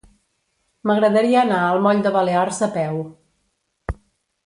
M'agradaria anar al moll de Balears a peu.